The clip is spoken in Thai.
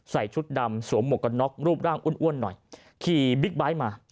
ชุดดำสวมหมวกกันน็อกรูปร่างอ้วนหน่อยขี่บิ๊กไบท์มา